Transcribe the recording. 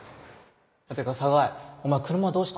ってか寒河江お前車どうしたん？